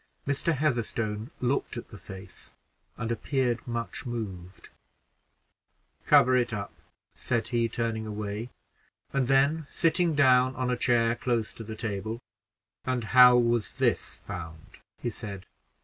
Mr. Heatherstone looked at the face and appeared much moved. "Cover it up," said he, turning away; and then sitting down on a chair close to the table "And how was this found?" he said.